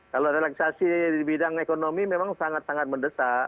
kalau relaksasi di bidang ekonomi memang sangat sangat mendesak